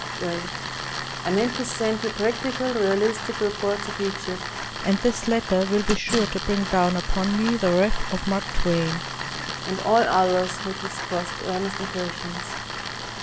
Well: I meant to send you practical, realistic reports of Egypt, and this letter will be sure to bring down upon me the wrath of Mark Twain, and all others who dis trust earnest impressions.